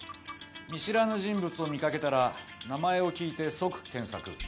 見知らぬ人物を見掛けたら名前を聞いて即検索。